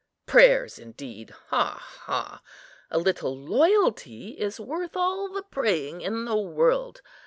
Prayers, indeed! ha, ha! A little loyalty is worth all the praying in the world.